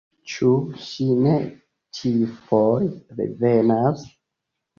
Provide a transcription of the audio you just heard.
Ĉu ŝi ne ĉiufoje revenas?